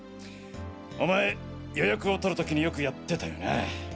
お前予約を取る時によくやってたよな。